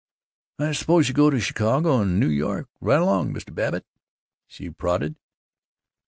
"I suppose you go to Chicago and New York right along, Mr. Babbitt," she prodded.